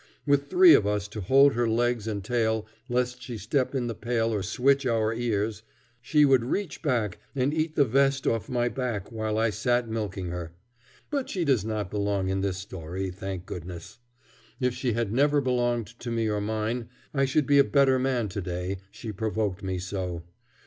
With three of us to hold her legs and tail lest she step in the pail or switch our ears, she would reach back and eat the vest off my back where I sat milking her. But she does not belong in this story, thank goodness! If she had never belonged to me or mine, I should be a better man to day; she provoked me so.